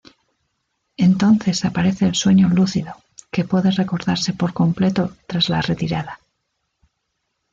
Entonces aparece el sueño lúcido, que puede recordarse por completo tras la retirada.